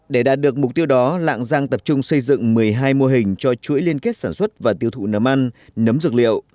để đạt được mục tiêu đó lạng giang tập trung xây dựng một mươi hai mô hình cho chuỗi liên kết sản xuất và tiêu thụ nấm ăn nấm dược liệu